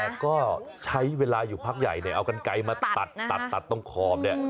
แต่ก็ใช้เวลาอยู่พรรคใหญ่เอากันไกลมาตัดต้องคอมเนี่ย